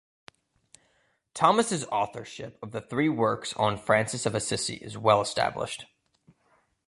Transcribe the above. Thomas's authorship of the three works on Francis of Assisi is well-established.